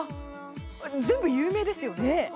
全部有名ですよね。